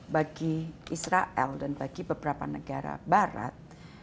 bagi israel dan bagi beberapa negara barat